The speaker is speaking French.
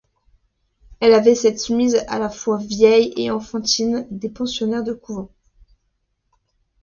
Elle avait cette mise à la fois vieille et enfantine des pensionnaires de couvent.